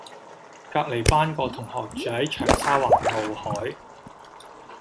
隔離班個同學住喺長沙灣傲凱